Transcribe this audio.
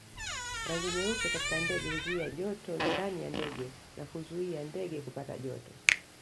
Rangi nyeupe katika ndege huzuia joto ndani ya ndege na huizuia ndege kupata joto